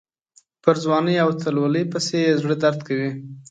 پر ځوانۍ او اتلولۍ پسې یې زړه درد وکړي.